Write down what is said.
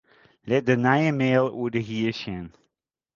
Lit de nije mail oer de hier sjen.